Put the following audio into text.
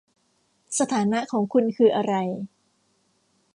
สถานะของคุณคืออะไร